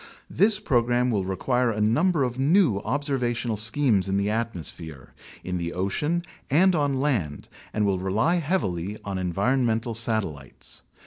This program will require a num ber of new observational schemes in the atmosphere, in the ocean, and on land and will rely heavily on environmental satellites.